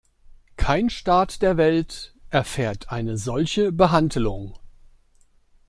Kein Staat der Welt erfährt eine solche Behandlung.